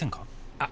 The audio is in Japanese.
あっ！